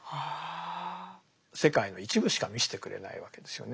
世界の一部しか見してくれないわけですよね。